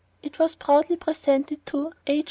It was proudly presented to H.